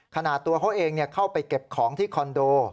ตัวเขาเองเข้าไปเก็บของที่คอนโด